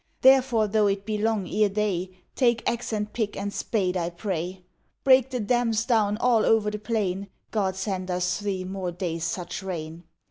Therefore though it be long ere day, Take axe and pick and spade, I pray. Break the dams down all over the plain: God send us three more days such rain!